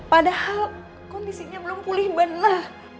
padahal kondisinya belum pulih benar